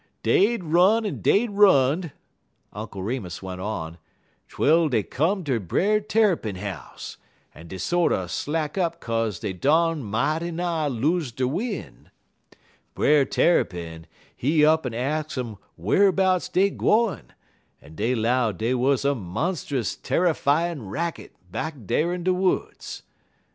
"Dey run'd en dey run'd," Uncle Remus went on, "twel dey come ter Brer Tarrypin house, en dey sorter slack up 'kaze dey done mighty nigh los' der win'. Brer Tarrypin, he up'n ax um wharbouts dey gwine, en dey 'low dey wuz a monst'us tarryfyin' racket back dar in de woods.